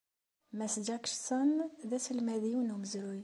Mas Jackson d aselmad-iw n umezruy.